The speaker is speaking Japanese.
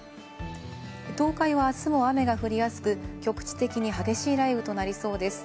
東海はあすも雨が降りやすく、局地的に激しい雷雨となりそうです。